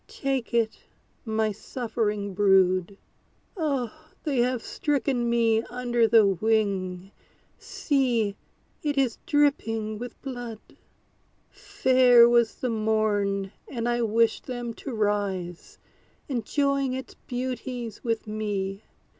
Take it, my suffering brood. Oh! they have stricken me under the wing; See, it is dripping with blood! Fair was the morn, and I wished them to rise, Enjoying its beauties with me.